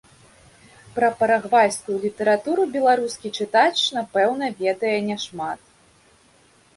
Пра парагвайскую літаратуру беларускі чытач напэўна ведае няшмат.